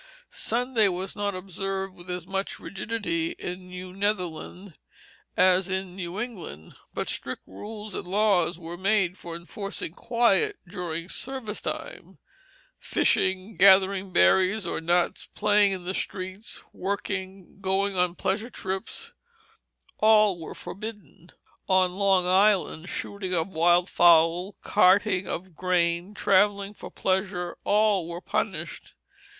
Sunday was not observed with as much rigidity in New Netherland as in New England, but strict rules and laws were made for enforcing quiet during service time. Fishing, gathering berries or nuts, playing in the streets, working, going on pleasure trips, all were forbidden. On Long Island shooting of wild fowl, carting of grain, travelling for pleasure, all were punished.